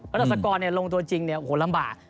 เพราะอัศกรณ์ลงตัวจริงโอ้โหลำบาก